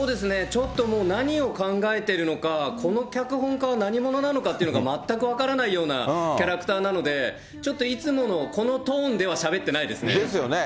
ちょっともう何を考えてるのか、この脚本家は何者なのかっていうのが、全く分からないようなキャラクターなので、ちょっといつもの、このトーンではしゃべってないですね。ですよね。